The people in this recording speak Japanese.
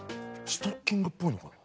ストッキングっぽいのかな。